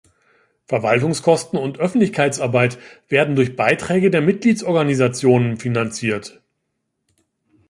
Verwaltungskosten und Öffentlichkeitsarbeit werden durch Beiträge der Mitgliedsorganisationen finanziert.